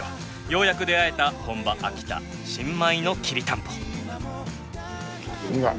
ようやく出会えた本場秋田新米のきりたんぽ。